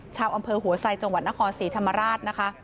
ชาวอำเภอหัวไซจังหวัดนครศรีธรรมราชนะคะ